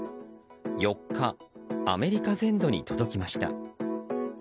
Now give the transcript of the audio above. ４日、アメリカ全土に届きました。